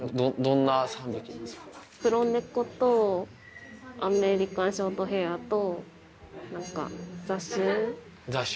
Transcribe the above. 黒ネコとアメリカンショートヘアと何か雑種。